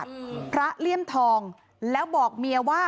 ปี๖๕วันเกิดปี๖๔ไปร่วมงานเช่นเดียวกัน